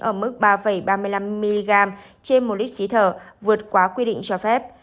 ở mức ba ba mươi năm mg trên một lít khí thở vượt quá quy định cho phép